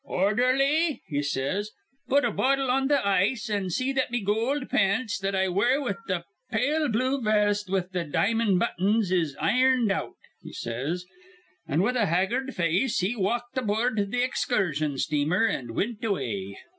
'Ordherly,' he says, 'put a bottle on th' ice, an' see that me goold pants that I wear with th' pale blue vest with th' di'mon buttons is irned out,' he says. An' with a haggard face he walked aboord th' excursion steamer, an' wint away.